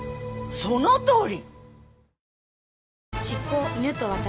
そのとおり！